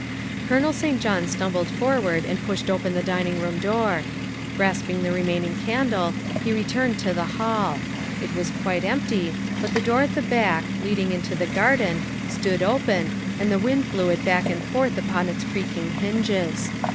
Colonel St. John stumbled forward and pushed open the dining room door. Grasping the remaining candle, he returned to the hall ; it was quite empty, but the door at the back, leading into the garden, stood open and the wind blew it back and forth upon its creaking hinges.